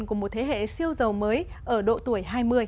của một thế hệ siêu giàu mới ở độ tuổi hai mươi